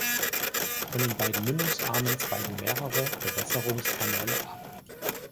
Von den beiden Mündungsarmen zweigen mehrere Bewässerungskanäle ab.